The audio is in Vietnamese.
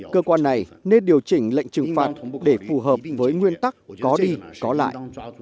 cơ quan này nên điều chỉnh lệnh trừng phạt để phù hợp với nguyên tắc có đi có lại